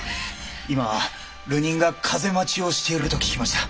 今は流人が風待ちをしていると聞きました。